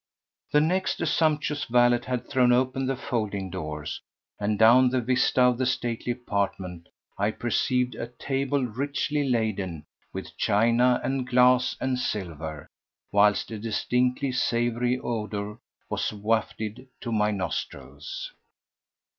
The next a sumptuous valet had thrown open the folding doors, and down the vista of the stately apartment I perceived a table richly laden with china and glass and silver, whilst a distinctly savoury odour was wafted to my nostrils.